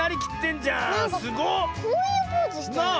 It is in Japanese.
こういうポーズしてない？